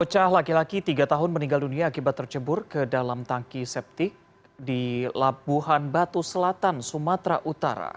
pecah laki laki tiga tahun meninggal dunia akibat tercebur ke dalam tangki septik di labuhan batu selatan sumatera utara